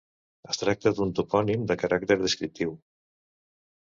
Es tracta d'un topònim de caràcter descriptiu.